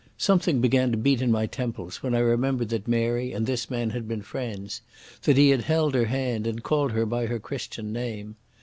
Something began to beat in my temples when I remembered that Mary and this man had been friends, that he had held her hand, and called her by her Christian name.